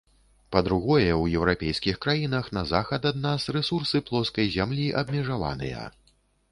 Па-другое, у еўрапейскіх краінах на захад ад нас рэсурсы плоскай зямлі абмежаваныя.